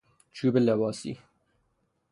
چوب لباسی